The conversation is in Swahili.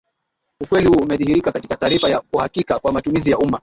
Ukweli huu umedhihirika katika taarifa ya uhakiki wa matumizi ya umma